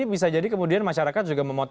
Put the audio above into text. ini bisa jadi kemudian masyarakat juga memotivasi